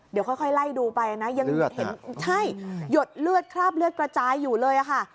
เดี๋ยวค่อยไล่ดูไปนะยังเห็นใช่หยดเลือดคราบเลือดกระจายอยู่เลยค่ะ